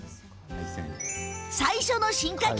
最初の進化系